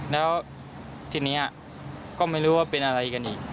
แล้วทีนี้ก็ไม่รู้ว่าเป็นอะไรกันอีก